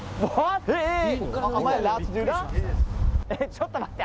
ちょっと待って。